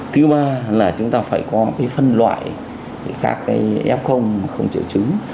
thứ ba là chúng ta phải có cái phân loại các cái f không triệu chứng